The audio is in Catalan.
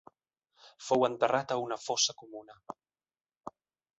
Fou enterrat a una fossa comuna.